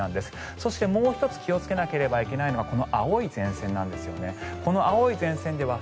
そして、もう１つ気をつけなければいけないのがこの青い前線なんですね。